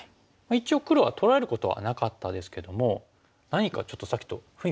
一応黒は取られることはなかったですけども何かちょっとさっきと雰囲気変わりましたよね。